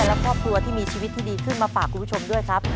และครอบครัวที่มีชีวิตที่ดีขึ้นมาฝากคุณผู้ชมด้วยครับ